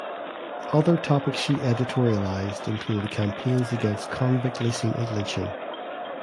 Other topics she editorialized included campaigns against convict leasing and lynching.